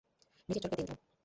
নিজের চড়কায় তেল দাও।